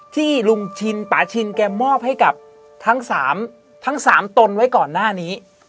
ที่ลุงชินป่าชินแกมอบให้กับทั้ง๓ตนไว้ก่อนหน้านี้